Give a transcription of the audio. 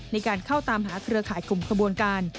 ในการเข้าตามหาเครือข่ายกลุ่มขบวนการ